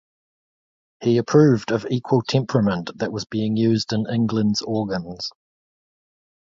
He approved of equal temperament that was being used in England's organs.